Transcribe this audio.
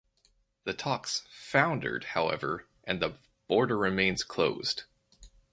The talks foundered however and the border remains closed.